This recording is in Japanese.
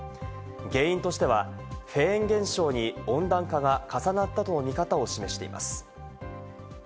原因としてはフェーン現象に温暖化が重なったとの見方を示しています。